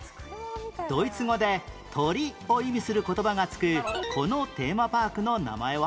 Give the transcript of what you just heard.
ドイツ語で「鳥」を意味する言葉が付くこのテーマパークの名前は？